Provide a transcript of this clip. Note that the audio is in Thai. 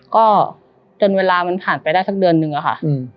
ก็จนเวลามันผ่านไปได้สักเดือนนึงอะค่ะ